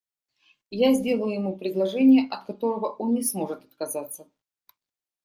Я сделаю ему предложение, от которого он не сможет отказаться.